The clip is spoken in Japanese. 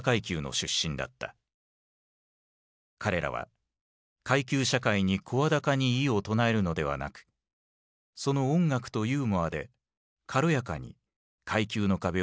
彼らは階級社会に声高に異を唱えるのではなくその音楽とユーモアで軽やかに階級の壁を飛び越えた。